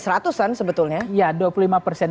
seratusan sebetulnya ya dua puluh lima persen